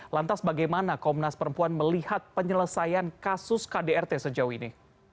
lantas bagaimana komnas perempuan melihat penyelesaian kasus kdrt sejauh ini